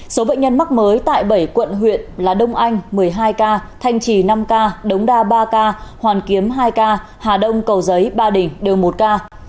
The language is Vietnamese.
số bệnh nhân mắc mới tại bảy quận huyện là đông anh một mươi hai ca thanh trì năm ca đống đa ba ca hoàn kiếm hai ca hà đông cầu giấy ba đình đều một ca